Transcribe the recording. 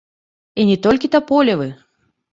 І не толькі таполевы.